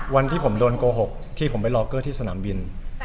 วันที่ผมโดนโกหกที่ผมไปรอเกอร์ที่สนามบิน